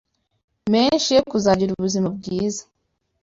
menshi yo kuzagira ubuzima bwiza